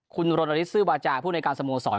คุณรณฤทธซื้อวาจาผู้ในการสโมสร